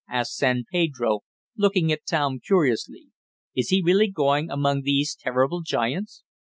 asked San Pedro, looking at Tom curiously. "Is he really going among these terrible giants?"